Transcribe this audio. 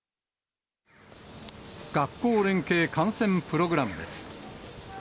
学校連携観戦プログラムです。